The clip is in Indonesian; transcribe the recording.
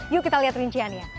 yuk kita lihat rinciannya